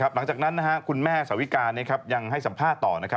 หลังจากนั้นคุณแม่สาวิกายังให้สัมภาษณ์ต่อ